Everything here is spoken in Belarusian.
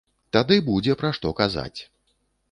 Тады будзе пра што казаць.